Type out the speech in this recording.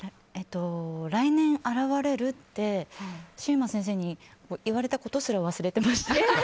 来年現れるってシウマ先生に言われたことすら忘れてました。